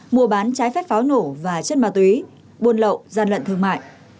mua bán trái phép pháo nổ và chất ma túy buôn lậu gian lận thương mại